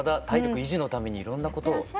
体力維持のためにいろんなことを。